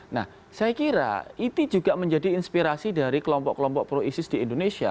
nah saya kira itu juga menjadi inspirasi dari kelompok kelompok pro isis di indonesia